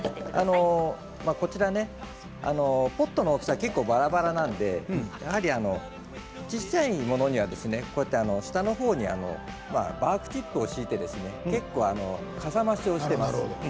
ポットの大きさ結構ばらばらなので小さいものには下のほうにバークチップを敷いてかさ増しをしています。